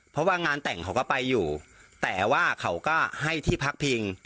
เพราะว่างานแต่งเขาก็ไปอยู่แต่ว่าเขาก็ให้ที่พักพิง